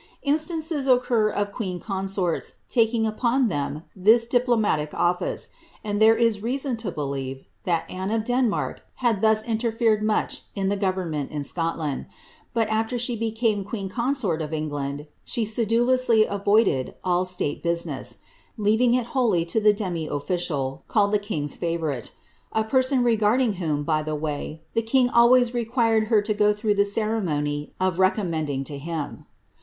In stances occur of quccn consurts biking upon them ibis dipli>maiic otilcr. and there is reason to believe, that .Anne of Denmark had thus inlerfereil much in tljc government in Scotland ; but alter she became quecn con sorl of England, she sedulously avoided all state business; leatiiio ii wholly lo the demi official, called the king's lavonriie — a person regiirJ ing whom, by the way, the king always required her to go througli il:e ceremony of recommending to him.